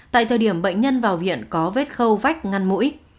tại thời điểm bệnh nhân vào viện có vết khâu vách ngăn mũi